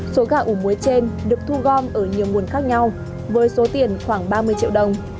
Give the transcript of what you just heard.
số gà ủ muối trên được thu gom ở nhiều nguồn khác nhau với số tiền khoảng ba mươi triệu đồng